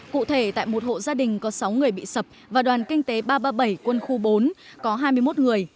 cụ thể tại một hộ gia đình có sáu người bị sập và đoàn kinh tế ba trăm ba mươi bảy quân khu bốn có hai mươi một người